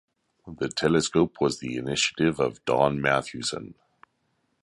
The telescope was the initiative of Don Mathewson.